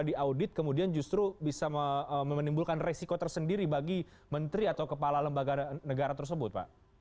jadi kalau kita audit kemudian justru bisa memenimbulkan resiko tersendiri bagi menteri atau kepala lembaga negara tersebut pak